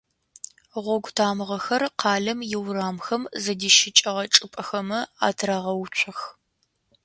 Гъогу тамыгъэхэр къалэм иурамхэм зыдищыкӏэгъэ чӏыпӏэхэмэ атырагъэуцох.